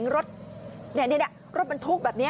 รถเก๋งรถมันทุกข์แบบนี้